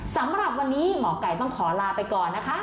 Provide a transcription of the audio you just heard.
สำหรับวันนี้หมอไก่ต้องขอลาไปก่อนนะคะ